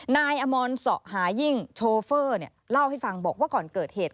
นายอมรสอหายิ่งโชเฟอร์เล่าให้ฟังบอกว่าก่อนเกิดเหตุ